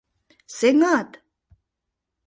Сеҥат!